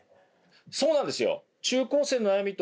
そうなんですよ。